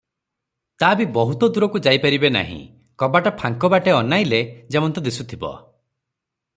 ତା’ ବି ବହୁତ ଦୂରକୁ ଯାଇ ପାରିବେ ନାହିଁ, କବାଟ ଫାଙ୍କ ବାଟେ ଅନାଇଲେ ଯେମନ୍ତ ଦିଶୁଥିବ ।